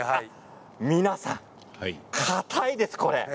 皆さんかたいです、これ。